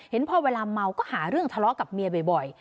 พอเวลาเมาก็หาเรื่องทะเลาะกับเมียบ่อย